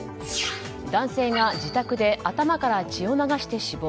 男性が自宅で頭から血を流して死亡。